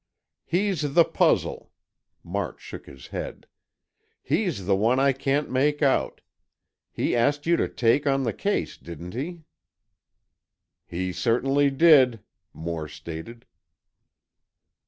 "He's the puzzle." March shook his head. "He's the one I can't make out. He asked you to take on the case, didn't he?" "He certainly did," Moore stated.